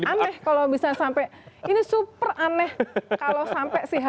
aneh kalau bisa sampai ini super aneh kalau sampai sih